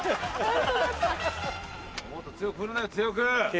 ・もっと強く振るんだよ強く！